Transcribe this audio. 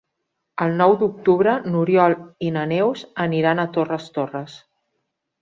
El nou d'octubre n'Oriol i na Neus aniran a Torres Torres.